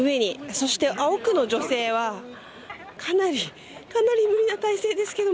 そして、奥の女性はかなり無理な体勢ですけど。